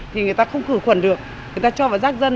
thì người ta không khử khuẩn được người ta cho vào rác dân